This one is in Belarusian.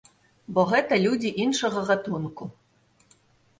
Бо гэта людзі іншага гатунку.